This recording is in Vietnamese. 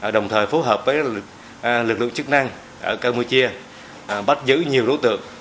đồng thời phối hợp với lực lượng chức năng ở campuchia bắt giữ nhiều đối tượng